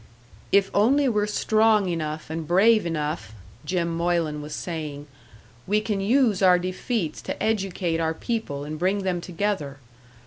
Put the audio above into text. "If only we're strong enough and brave enough," Jim Moylan was saying, "we can use our defeats to educate our people and bring them together.